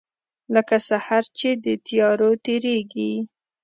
لکه سحر چې تر تیارو تیریږې